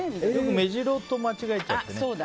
メジロと間違えちゃってね。